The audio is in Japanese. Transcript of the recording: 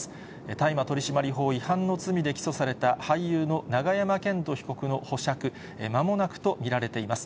大麻取締法違反の罪で起訴された俳優の永山絢斗被告の保釈、まもなくと見られています。